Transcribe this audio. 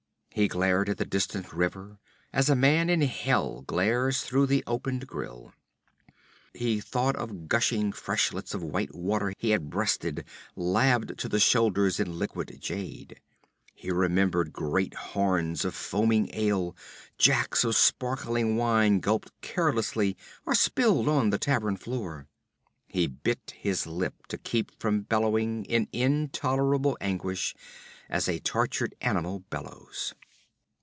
He glared at the distant river as a man in hell glares through the opened grille. He thought of gushing freshets of white water he had breasted, laved to the shoulders in liquid jade. He remembered great horns of foaming ale, jacks of sparkling wine gulped carelessly or spilled on the tavern floor. He bit his lip to keep from bellowing in intolerable anguish as a tortured animal bellows.